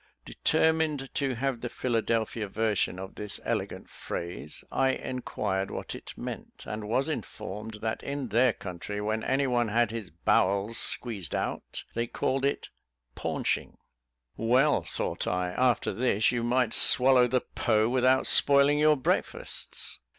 Determined to have the Philadelphia version of this elegant phrase, I inquired what it meant, and was informed, that in their country when any one had his bowels squeezed out, they called it "paunching." "Well," thought I, "after this, you might swallow the Po without spoiling your breakfasts."